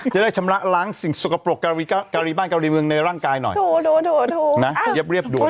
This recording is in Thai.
จะได้ชำระล้างสิ่งสกปรกการีบ้านการีเมืองในร่างกายหน่อยถูกนะเรียบด่วน